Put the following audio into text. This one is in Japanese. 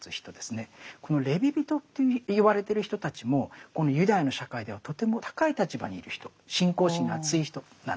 このレビ人と言われてる人たちもこのユダヤの社会ではとても高い立場にいる人信仰心のあつい人なんです。